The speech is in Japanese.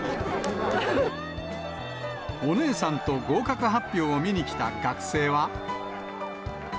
お姉さんと合格発表を見に来た学生は。